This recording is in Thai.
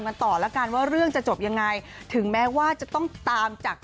กันต่อแล้วกันว่าเรื่องจะจบยังไงถึงแม้ว่าจะต้องตามจาก